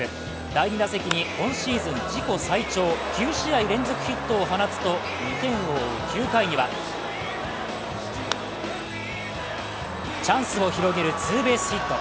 第二打席に今シーズン自己最長９試合連続ヒットを放つと２点を追う９回にはチャンスを広げるツーベースヒット。